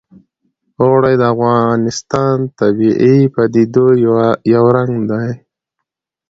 اوړي د افغانستان د طبیعي پدیدو یو رنګ دی.